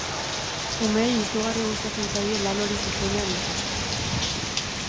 Umeei izugarri gustatzen zaie lan hori zuzenean ikustea.